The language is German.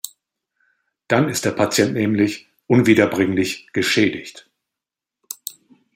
Dann ist der Patient nämlich unwiederbringlich geschädigt.